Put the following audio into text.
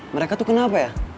mereka tuh kenapa ya